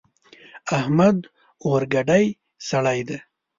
احمد اورګډی سړی دی.